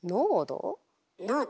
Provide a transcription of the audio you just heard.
濃度？